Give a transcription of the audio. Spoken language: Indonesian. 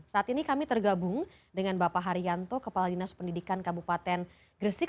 saat ini kami tergabung dengan bapak haryanto kepala dinas pendidikan kabupaten gresik